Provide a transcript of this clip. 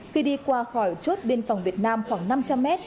khi đi qua khỏi chốt biên phòng việt nam khoảng năm trăm linh m